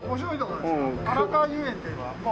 あらかわ遊園っていうのは？